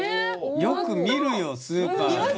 よく見るよスーパーで。